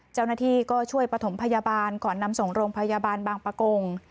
เจ้าหน้าที่ก็ช่วยประถมพยาบาลก่อนนำส่งโรงพยาบาลบางปะกง